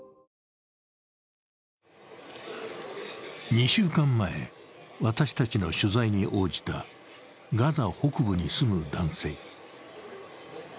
２週間前、私たちの取材に応じたガザ北部に住む男性。